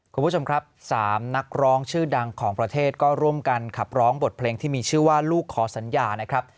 คุณผู้ชมครับ๓นักร้องชื่อดังของประเทศก็ร่วมกันขับร้องบทเพลงที่มีชื่อว่าลูกขอสัญญานะครับ